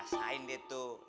rasain deh tuh